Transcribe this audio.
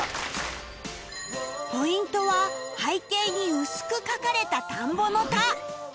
ポイントは背景に薄く書かれた田んぼの「田」